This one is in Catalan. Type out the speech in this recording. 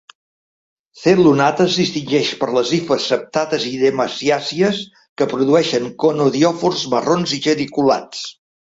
C. lunata es distingeix per les hifes septades i demaciàcies que produeixen conidiòfors marrons i geniculats.